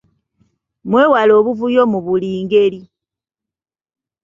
Mwewale obuvuyo mu buli ngeri.